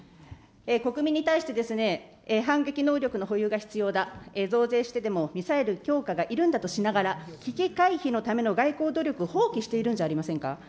国民に対してですね、反撃能力の保有が必要だ、増税してでもミサイル強化がいるんだとしながら、危機回避のための外交努力放棄しているんじゃありませんか。